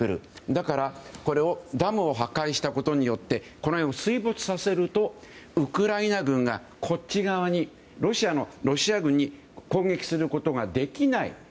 だからダムを破壊したことによってこの辺を水没させるとウクライナ軍が、ロシア軍を攻撃することができない。